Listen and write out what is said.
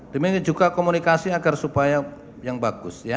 demikian juga komunikasi agar supaya yang bagus ya